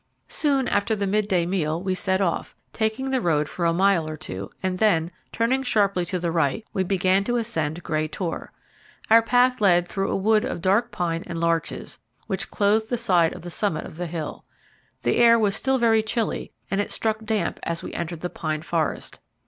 Soon after the mid day meal we set off, taking the road for a mile or two, and then, turning sharply to the right, we began to ascend Grey Tor. Our path led through a wood of dark pine and larches, which clothed the side of the summit of the hill. The air was still very chilly, and it struck damp as we entered the pine forest.